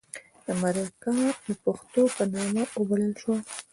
د مرکه د پښتو په نامه وبلله شوه.